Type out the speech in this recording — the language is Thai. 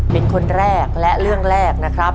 เป็นคนแรกและเรื่องแรกนะครับ